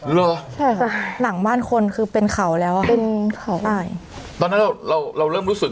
เหรอใช่ค่ะหลังบ้านคนคือเป็นเขาแล้วอ่ะเป็นเขาอ่ายตอนนั้นเราเราเราเริ่มรู้สึก